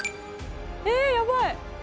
えっやばい！